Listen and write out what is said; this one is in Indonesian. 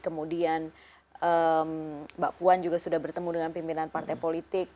kemudian mbak puan juga sudah bertemu dengan pimpinan partai politik